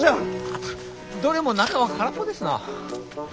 アタッどれも中は空っぽですな。